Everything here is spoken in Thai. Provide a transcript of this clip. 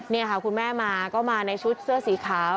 มึงมาในชุดเสื้อสีขาว